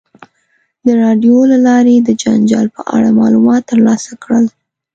د راډیو له لارې یې د جنجال په اړه معلومات ترلاسه کړل.